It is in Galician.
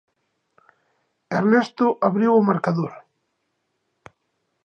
Ernesto abriu o marcador.